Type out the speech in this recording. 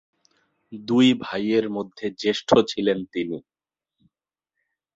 দুই ভাইয়ের মধ্যে জ্যেষ্ঠ ছিলেন তিনি।